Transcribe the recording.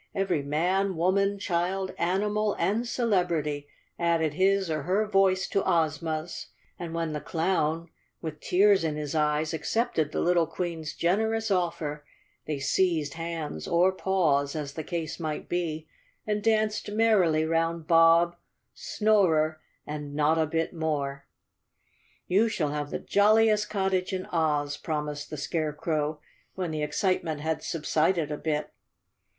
Every man, woman, child, animal, and celebrity added his or her voice to Ozma's, and when the clown, with tears in his eyes, accepted the little Queen's generous offer, they seized hands or paws, as the case might be, and danced merrily 'round Bob, Snorer and Notta Bit More. "You shall have the j oiliest cottage in Oz," promised the Scarecrow, when the excitement had subsided a bit.